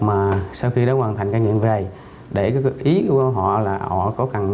mà sau khi đã hoàn thành ca nghiện về để ý của họ là họ có cần